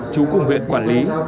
chú cùng huyện quản lý